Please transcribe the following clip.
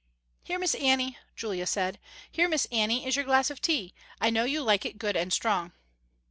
"Here Miss Annie," Julia said, "Here, Miss Annie, is your glass of tea, I know you like it good and strong."